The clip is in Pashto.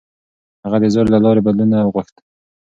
هغه د زور له لارې بدلون نه غوښت.